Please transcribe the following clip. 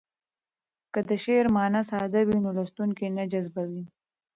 که د شعر مانا ساده وي نو لوستونکی نه جذبوي.